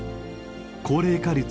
高齢化率